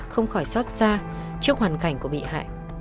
không khỏi xót xa trước hoàn cảnh của bị hại